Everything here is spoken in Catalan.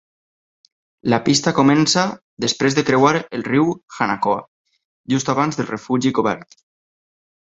La pista comença després de creuar el riu Hanakoa, just abans del refugi cobert.